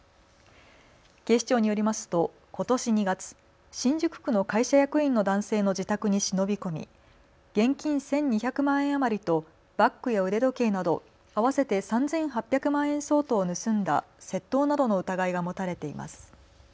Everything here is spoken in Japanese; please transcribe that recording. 警視庁によりますとことし２月、新宿区の会社役員の男性の自宅に忍び込み現金１２００万円余りとバッグや腕時計など合わせて３８００万円相当を盗んだ窃盗などの疑いが持たれています。